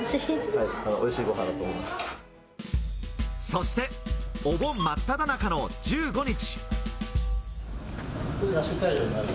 そして、お盆まっただ中の１５日。